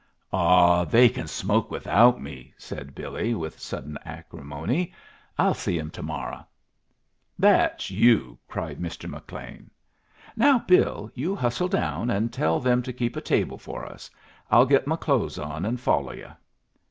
"Ah, they can smoke without me," said Billy, with sudden acrimony. "I'll see 'em to morro'." "That's you!" cried Mr. McLean. "Now, Bill, you hustle down and tell them to keep a table for us. I'll get my clothes on and follow yu'."